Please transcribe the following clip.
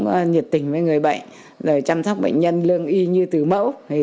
tôi rất là nhiệt tình với người bệnh rồi chăm sóc bệnh nhân lương y như tử mẫu